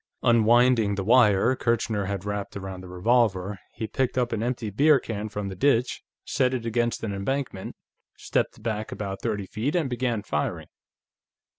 Unwinding the wire Kirchner had wrapped around the revolver, he picked up an empty beer can from the ditch, set it against an embankment, stepped back about thirty feet and began firing.